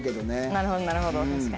なるほどなるほど確かに。